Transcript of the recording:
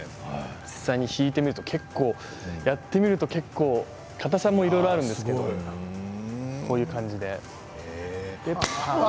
実際に引いてみると結構やってみると硬さもいろいろあるんですけれどこういう感じで。